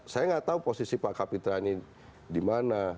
saya nggak tahu posisi pak kapitra ini di mana